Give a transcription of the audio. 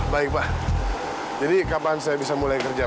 baik pak jadi kapan saya bisa mulai kerja